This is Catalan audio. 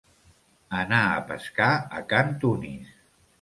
Anar a pescar a can Tunis.